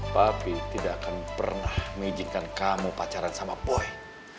papi tidak akan pernah meijinkan kamu pacaran sama boy